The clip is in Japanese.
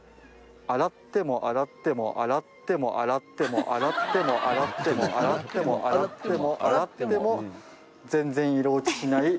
洗っても洗っても洗っても洗っても洗っても洗っても洗っても洗っても洗っても全っ然色落ちしない！！